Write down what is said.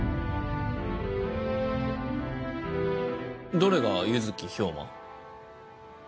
どれが弓月兵馬？